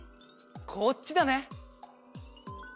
こっちだね。